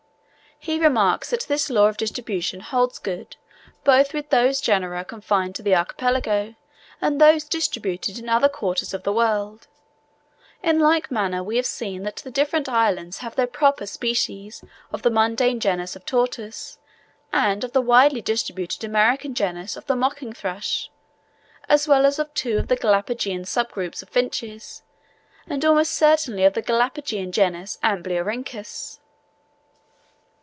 He remarks that this law of distribution holds good both with those genera confined to the archipelago, and those distributed in other quarters of the world: in like manner we have seen that the different islands have their proper species of the mundane genus of tortoise, and of the widely distributed American genus of the mocking thrush, as well as of two of the Galapageian sub groups of finches, and almost certainly of the Galapageian genus Amblyrhynchus.